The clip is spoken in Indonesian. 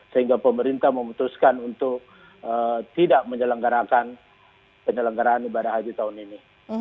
sehingga pemerintah memutuskan untuk tidak menyelenggarakan penyelenggaraan ibadah haji tahun ini